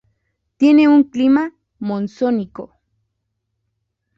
Tiene un clima monzónico.